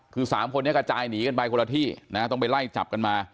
คือ๓คนนี้กระจายหนีกันไปคนละที่นะต้องไปไล่จับกันมา